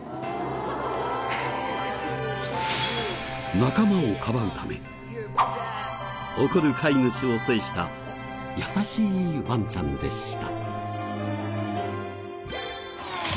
仲間をかばうため怒る飼い主を制した優しいワンちゃんでした。